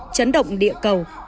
chấn động địa cầu